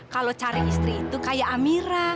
kalau cari istri itu kayak amira